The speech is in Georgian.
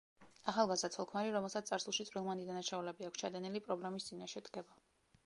ახალგაზრდა ცოლ-ქმარი, რომელსაც წარსულში წვრილმანი დანაშაულები აქვს ჩადენილი, პრობლემის წინაშე დგება.